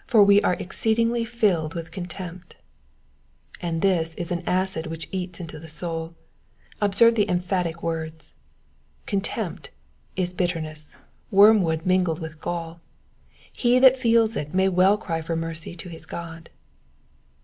^^For we are exceedingly flUed with eontempt^^^ and this is an acid which eats into the soul. Observe the emphatic words. Contempt is bitterness, worm wood mingled with gall ; he that feels it may well cry for mercy to his God.